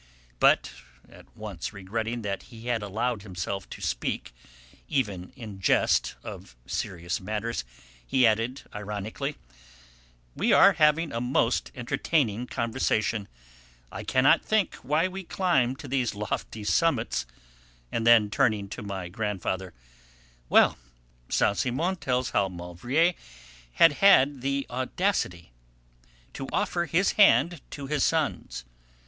'" But at once regretting that he had allowed himself to speak, even in jest, of serious matters, he added ironically: "We are having a most entertaining conversation; I cannot think why we climb to these lofty summits," and then, turning to my grandfather: "Well, Saint Simon tells how Maulevrier had had the audacity to offer his hand to his sons.